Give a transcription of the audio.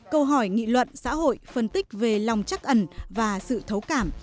câu hỏi nghị luận xã hội phân tích về lòng chắc ẩn và sự thấu cảm